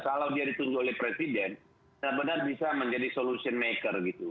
kalau dia ditunjuk oleh presiden benar benar bisa menjadi solution maker gitu